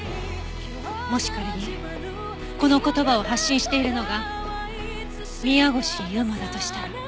もし仮にこの言葉を発信しているのが宮越優真だとしたら。